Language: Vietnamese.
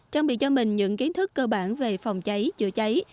trang bị cho mình những kiến thức cơ bản về phòng cháy chữa cháy